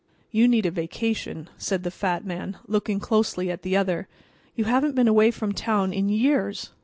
"You need a vacation," said the fat man, looking closely at the other. "You haven't been away from town in years.